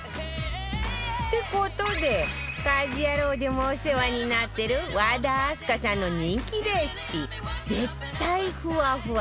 って事で『家事ヤロウ！！！』でもお世話になってる和田明日香さんの人気レシピ絶対ふわふわ！